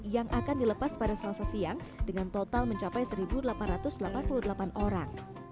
yang akan dilepas pada selasa siang dengan total mencapai satu delapan ratus delapan puluh delapan orang